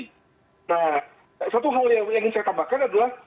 nah satu hal yang ingin saya tambahkan adalah